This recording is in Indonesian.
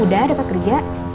udah dapat kerja